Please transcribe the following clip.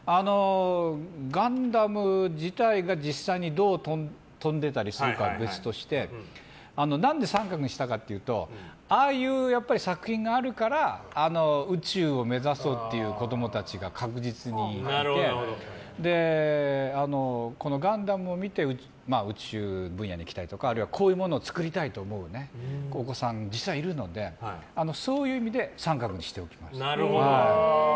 ガンダム自体が実際にどう飛んでたりするかは別としてなんで△にしたかというとああいう作品があるから宇宙を目指そうという子供たちが確実にいてこのガンダムを見て宇宙分野に行きたいとかあるいはこういうものを作りたいと思うお子さんがいるのでそういう意味で△にしておきます。